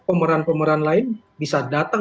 pemeran pemeran lain bisa datang